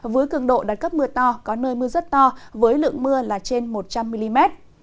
với cường độ đạt cấp mưa to có nơi mưa rất to với lượng mưa là trên một trăm linh mm